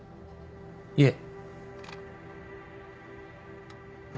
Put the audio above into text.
いえ。